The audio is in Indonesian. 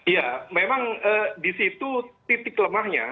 ya memang disitu titik lemahnya